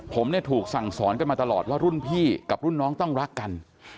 ผมเนี่ยถูกสั่งสอนกันมาตลอดว่ารุ่นพี่กับรุ่นน้องต้องรักกัน